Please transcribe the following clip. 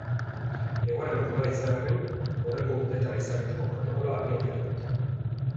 Egoera normala izan arren, aurreko urteetan ezarritako protokoloa abian jarri dute.